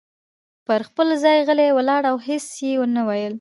پر خپل ځای غلی ولاړ و او هیڅ یې نه ویل.